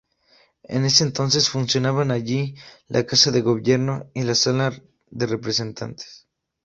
En ese entonces funcionaban allí la Casa de Gobierno y la Sala de Representantes.